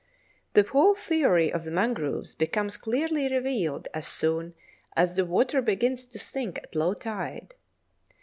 The whole theory of the mangroves becomes clearly revealed as soon as the water begins to sink at low tide.